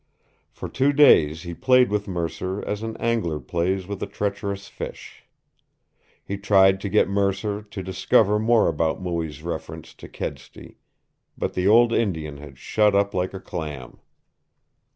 For two days he played with Mercer as an angler plays with a treacherous fish. He tried to get Mercer to discover more about Mooie's reference to Kedsty. But the old Indian had shut up like a clam.